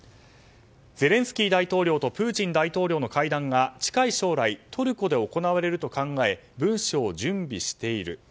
ゼレンスキー大統領とプーチン大統領の会談が近い将来トルコで行われると考え文書を準備している。